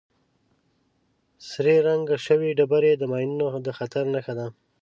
سرې رنګ شوې ډبرې د ماینونو د خطر نښه ده.